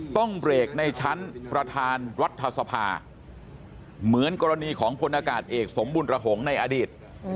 ต้องเบรกในชั้นประธานรัฐสภาเหมือนกรณีของพลอากาศเอกสมบุญระหงษ์ในอดีต